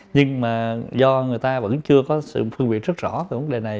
nhưng mà do người ta vẫn chưa có sự phương biện rất rõ về vấn đề này